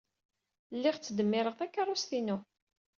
Lliɣ ttdemmireɣ takeṛṛust-inu.